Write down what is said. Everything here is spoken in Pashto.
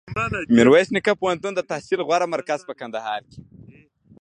میرویس نیکه پوهنتون دتحصل غوره مرکز په کندهار کي